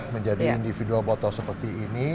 menjadi individual botol seperti ini